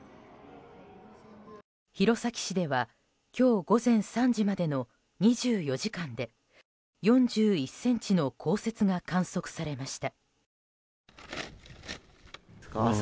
弘前市では今日午前３時までの２４時間で４１ｃｍの降雪が観測されました。